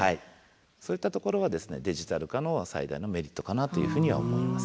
そういったところはデジタル化の最大のメリットかなというふうには思います。